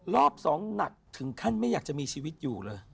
รอบ๒หนักถึงขั้นไม่อยากจะมีชีวิตอยู่เลย